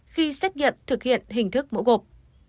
khi xét nghiệm thực hiện hình thức mẫu gục